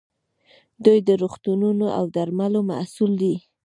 دوی د روغتونونو او درملو مسوول دي.